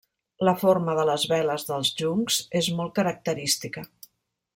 La forma de les veles dels juncs és molt característica.